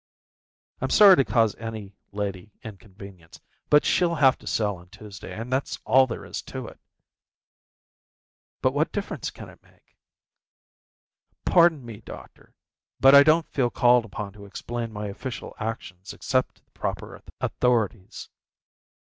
"I'm sorry to cause any lady inconvenience, but she'll have to sail on Tuesday and that's all there is to it." "But what difference can it make?" "Pardon me, doctor, but I don't feel called upon to explain my official actions except to the proper authorities."